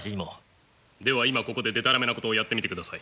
では今ここででたらめなことをやってみてください。